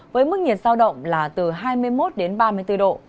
với mức nhiệt giao động là từ hai mươi một đến ba mươi bốn độ